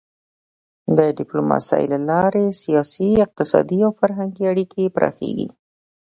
د ډيپلوماسی له لارې سیاسي، اقتصادي او فرهنګي اړیکې پراخېږي.